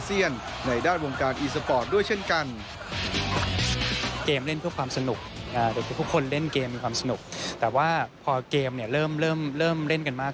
ที่ผ่านมาได้มีการจัดการแข่งขันและได้รับความนิยมเป็นอย่างมาก